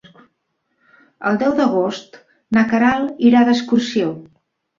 El deu d'agost na Queralt irà d'excursió.